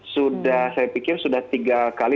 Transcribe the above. sudah saya pikir sudah tiga kali